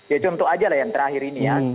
ya contoh aja lah yang terakhir ini ya